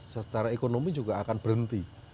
secara ekonomi juga akan berhenti